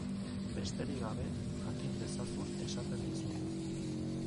Besterik gabe, jakin dezazun esaten dizut.